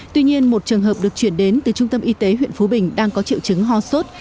tuy nhiên một trường hợp được chuyển đến từ trung tâm y tế huyện phú bình đang có triệu chứng ho sốt